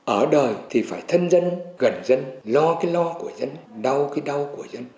ở đời thì phải thân dân gần dân lo cái lo của dân đau cái đau của dân